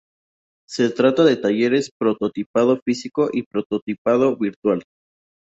Se trata de talleres de prototipado físico y prototipado virtual.